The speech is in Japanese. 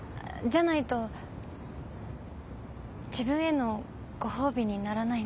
じゃないと自分へのご褒美にならないので。